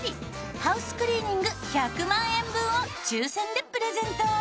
ハウスクリーニング１００万円分を抽選でプレゼント。